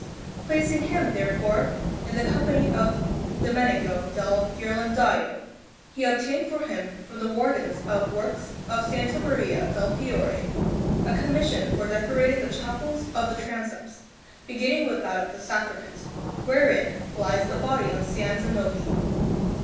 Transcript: Placing him, therefore, in the company of Domenico del Ghirlandajo, he obtained for him from the Wardens of Works of S. Maria del Fiore a commission for decorating the chapels of the transepts, beginning with that of the Sacrament, wherein lies the body of S. Zanobi.